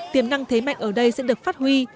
tiềm năng thế mạnh ở đây sẽ được phát huy